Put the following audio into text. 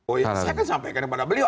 oh iya saya kan sampaikan kepada beliau